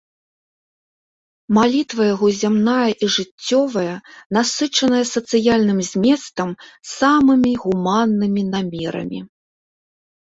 Малітва яго зямная і жыццёвая, насычаная сацыяльным зместам, самымі гуманнымі намерамі.